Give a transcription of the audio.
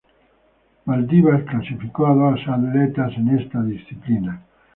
Maldivas clasificó a dos atletas en esta disciplina.